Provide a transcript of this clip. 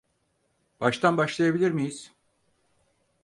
Baştan başlayabilir miyiz?